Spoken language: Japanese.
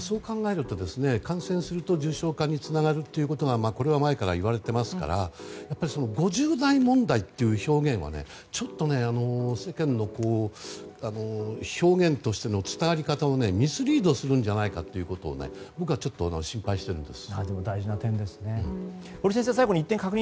そう考えると感染すると重症化につながるということは前から言われていますが５０代問題という表現はちょっと世間の表現としての伝わり方をミスリードするんじゃないかということを僕は心配しています。